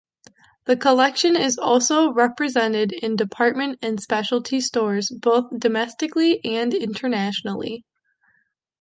The collection is also represented in department and specialty stores both domestically and internationally.